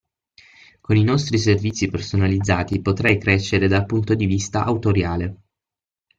Con i nostri servizi personalizzati potrai crescere dal punto di vista autoriale.